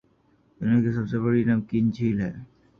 دنیاکی سب سے بڑی نمکین جھیل ہے